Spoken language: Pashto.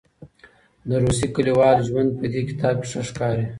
د روسیې کلیوال ژوند په دې کتاب کې ښه ښکاري.